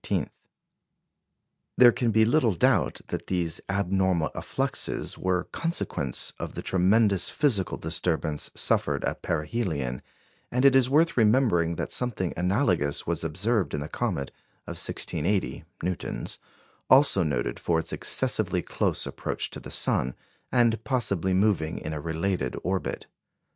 There can be little doubt that these abnormal effluxes were a consequence of the tremendous physical disturbance suffered at perihelion; and it is worth remembering that something analogous was observed in the comet of 1680 (Newton's), also noted for its excessively close approach to the sun, and possibly moving in a related orbit.